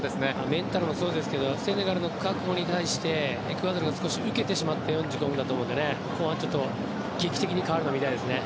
メンタルもそうですけどセネガルの覚悟に対してエクアドルが少し受けてしまった４５分だと思うので後半、ちょっと劇的に変わるのを見たいですね。